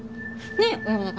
ねえ？